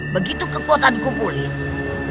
begitu kekuatan kum pulih